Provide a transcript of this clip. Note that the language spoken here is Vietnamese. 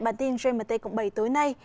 bản tin gmt cộng bảy tối nay